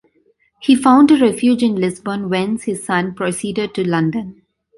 He found a refuge in Lisbon, whence his son proceeded to London.